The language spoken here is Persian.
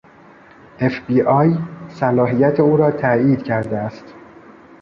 اف بی آی صلاحیت او را تایید کرده است.